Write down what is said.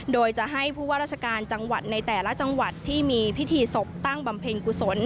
โดยจะให้ผู้ว่าราชการจังหวัดในแต่ละจังหวัดที่มีพิธีศพตั้งบำเพ็ญกุศล